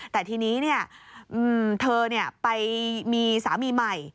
แต่ทีนี้เธอไปมีสามีใหม่